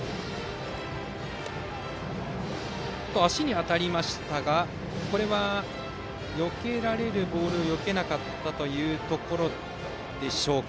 足に当たりましたがこれはよけられるボールをよけなかったというところでしょうか。